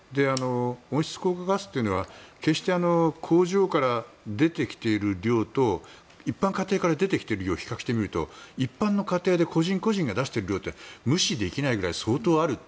温室効果ガスは決して工場から出てきている量と一般家庭から出てきている量を比較してみると一般の家庭で個人個人が出している量って無視できないぐらい相当ある。